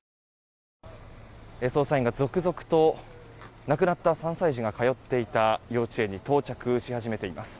捜査員が続々と亡くなった３歳児が通っていた幼稚園に到着し始めています。